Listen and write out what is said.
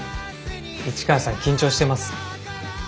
市川さん緊張してます？